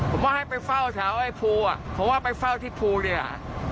ผมว่าให้ไปเฝ้าแถวไอ้ภูผมว่าไปเฝ้าที่ภูเลย